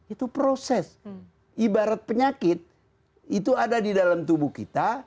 itu proses ibarat penyakit itu ada di dalam tubuh kita